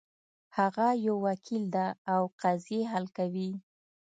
هغه یو وکیل ده او قضیې حل کوي